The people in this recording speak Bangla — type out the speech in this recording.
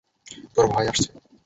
তোর ভাই আসছে।